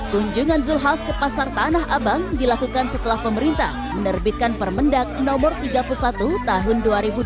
kunjungan zulkifli hasan ke pasar tanah abang dilakukan setelah pemerintah menerbitkan permendak no tiga puluh satu tahun dua ribu dua puluh